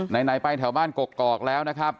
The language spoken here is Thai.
ไหนไปแถวบ้านกกอกแล้วนะครับ